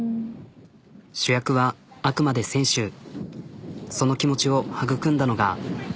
主役はあくまで選手その気持ちを育んだのが。